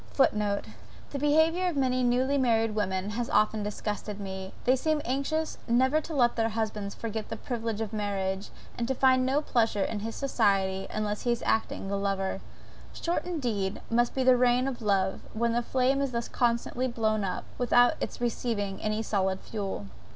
(Footnote. The behaviour of many newly married women has often disgusted me. They seem anxious never to let their husbands forget the privilege of marriage, and to find no pleasure in his society unless he is acting the lover. Short, indeed, must be the reign of love, when the flame is thus constantly blown up, without its receiving any solid fuel.)